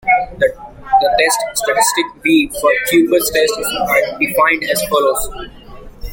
The test statistic, "V", for Kuiper's test is defined as follows.